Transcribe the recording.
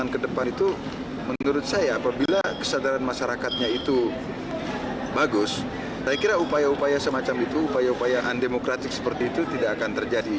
kedua prinsip konstitusi dan peraturan